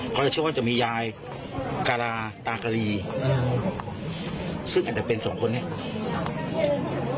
เขาจะเชื่อว่าจะมียายการาตากะลีอืมซึ่งอาจจะเป็นสองคนนี้